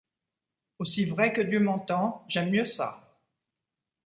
Aussi vrai que Dieu m’entend, j’aime mieux ça!...